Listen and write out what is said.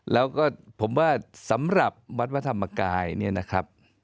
แล้วก็ผมว่าสำหรับวัดพระธรรมกายเนี่ยนะครับ